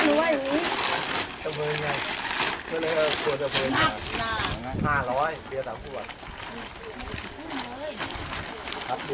อยู่ทะเฟิร์นไงทะเฟิร์นไงนั่งไงห้าร้อยเดี๋ยวตามส่วน